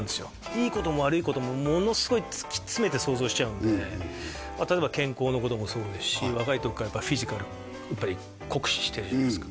いいことも悪いこともものすごい突き詰めて想像しちゃうんでまあ例えば健康のこともそうですし若い時からフィジカルやっぱり酷使してるじゃないですか？